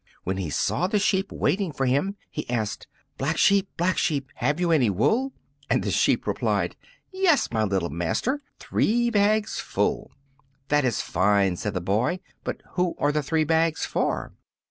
When he saw the sheep waiting for him he asked, "Black Sheep, Black Sheep, have you any wool?" And the sheep replied, "Yes my little master, three bags full!" "That is fine!" said the boy; "but who are the three bags for?"